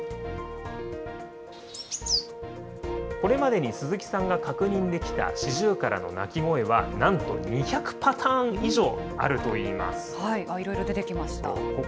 これまでに鈴木さんが確認できたシジュウカラの鳴き声はなんと２いろいろ出てきました。